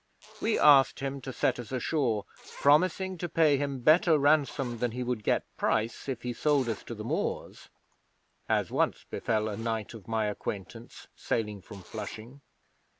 We asked him to set us ashore, promising to pay him better ransom than he would get price if he sold us to the Moors as once befell a knight of my acquaintance sailing from Flushing.